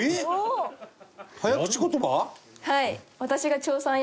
はい。